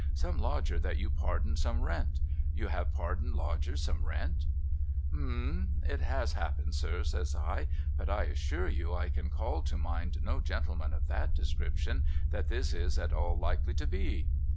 ' Some lodger that you pardoned some rrwent? You have pardoned lodgers some rrwent ?'' Hem ! It has happened sir ' says I, ' but I assure you I can call to mind no gentleman of that description that this is at all likely to be.'